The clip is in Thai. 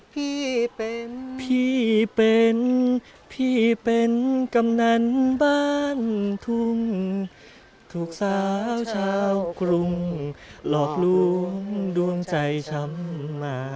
พี่เป็นพี่เป็นพี่เป็นกำนันบ้านทุ่งถูกสาวชาวกรุงหลอกลวงดวงใจช้ำมา